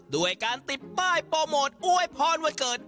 ด้วยการติดป้ายโปรโมทอวยพรวันเกิด